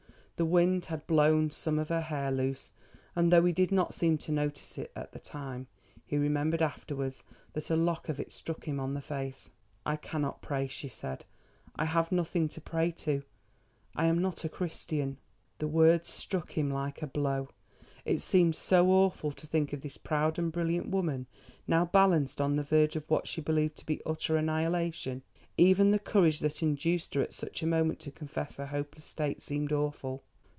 The wind had blown some of her hair loose, and though he did not seem to notice it at the time, he remembered afterwards that a lock of it struck him on the face. "I cannot pray," she said; "I have nothing to pray to. I am not a Christian." The words struck him like a blow. It seemed so awful to think of this proud and brilliant woman, now balanced on the verge of what she believed to be utter annihilation. Even the courage that induced her at such a moment to confess her hopeless state seemed awful.